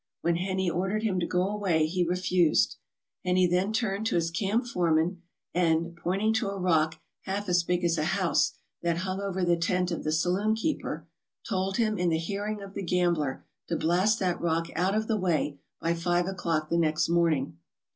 When Heney ordered him to go away he refused. Heney then turned to his camp foreman and, pointing to a rock half as big as a house that hung over the tent of the saloonkeeper, told him in the hearing of the gambler to blast that rock out of the way by five o'clock the next morning.